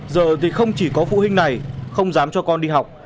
giờ thì không chỉ có phụ huynh này không dám cho con đi học